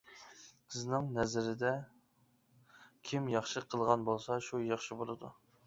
سىزنىڭ نەزىرىدە كىم ياخشى قىلغان بولسا شۇ ياخشى بولىدۇ.